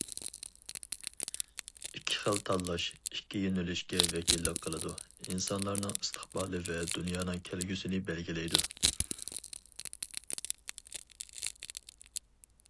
ئىككى خىل تاللاش ئىككى يۆنىلىشكە ۋەكىللىك قىلىدۇ، ئىنسانلارنىڭ ئىستىقبالى ۋە دۇنيانىڭ كەلگۈسىنى بەلگىلەيدۇ.